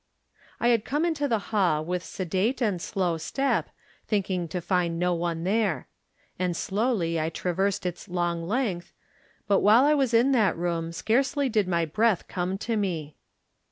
I had come into the hall with sedate and slow step, thinking to find no one there. And slowly I traversed its long length, but while I was in that room scarcely did my breath come to me.